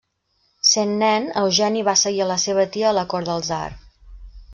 Sent nen, Eugeni va seguir a la seva tia a la cort del tsar.